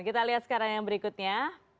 kita lihat sekarang yang berikutnya